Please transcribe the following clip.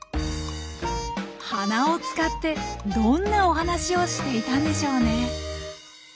鼻を使ってどんなお話をしていたんでしょうね。